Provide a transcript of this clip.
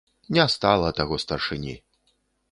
Не стала таго старшыні.